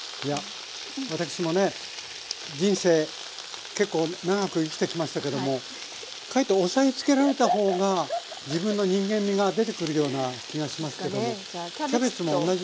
私もね人生結構長く生きてきましたけどもかえって押さえつけられたほうが自分の人間味が出てくるような気がしますけどもキャベツも同じですか？